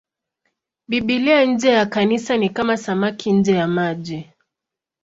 Biblia nje ya Kanisa ni kama samaki nje ya maji.